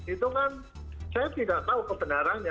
itu kan saya tidak tahu kebenarannya